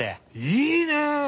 いいね！